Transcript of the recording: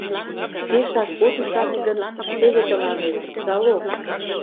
Пешак от ӱшане гын, теве тыланет — залог!